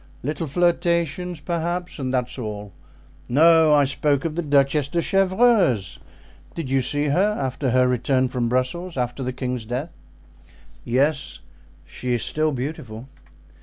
Little flirtations, perhaps, and that's all. No, I spoke of the Duchess de Chevreuse; did you see her after her return from Brussels, after the king's death?" "Yes, she is still beautiful."